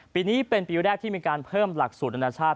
ปีนี้เป็นปีแรกที่มีการเพิ่มหลักสูตรอนาชาติ